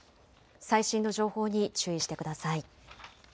最新の情報に注意してください。